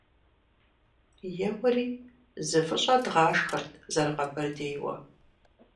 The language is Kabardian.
- Еуэри, зы выщӀэ дгъашхэрт зэрыкъэбэрдейуэ.